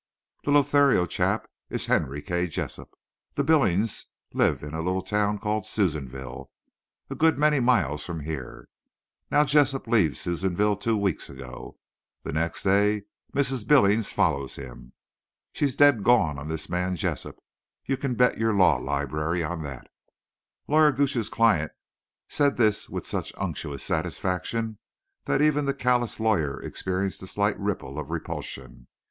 The Lothario chap is Henry K. Jessup. The Billingses lived in a little town called Susanville—a good many miles from here. Now, Jessup leaves Susanville two weeks ago. The next day Mrs. Billings follows him. She's dead gone on this man Jessup; you can bet your law library on that." Lawyer Gooch's client said this with such unctuous satisfaction that even the callous lawyer experienced a slight ripple of repulsion.